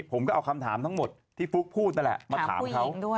ผมก็เอาคำถามทั้งหมดที่ฟลุ๊กพูดมาถามเขา